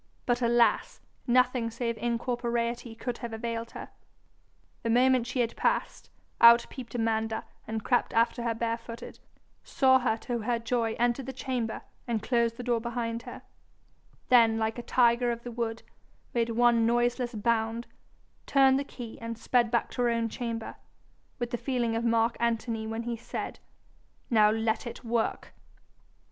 But alas! nothing save incorporeity could have availed her. The moment she had passed, out peeped Amanda and crept after her barefooted, saw her to her joy enter the chamber and close the door behind her, then 'like a tiger of the wood,' made one noiseless bound, turned the key, and sped back to her own chamber with the feeling of Mark Antony when he said, 'Now let it work!'